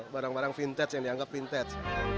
barang barang vintage yang dianggap vintage